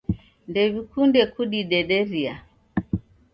Ndewikunde kudidederia.